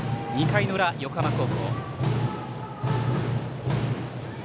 ２回裏、横浜高校。